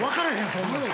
そんなん。